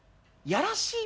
やらしい